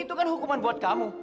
itu kan hukuman buat kamu